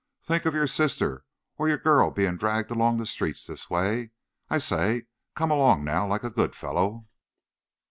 Think of your sister or your girl being dragged along the streets this way! I say, come along now, like a good fellow."